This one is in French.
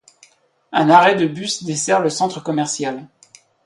Un arrêt de bus dessert le centre commercial.